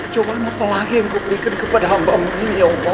coba apa lagi yang bu berikan kepada hamba mu ini ya allah